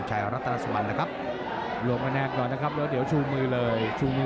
ไภทุนกบกลางต่อด้วย